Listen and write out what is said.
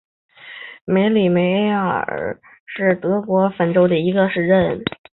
格里梅尔斯豪森是德国图林根州的一个市镇。